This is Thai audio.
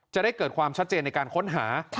จะได้เกิดความชัดเจนในการค้นหา